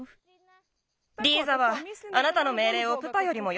リーザはあなたのめいれいをプパよりもよくきく。